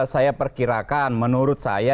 saya perkirakan menurut saya